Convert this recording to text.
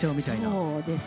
そうです。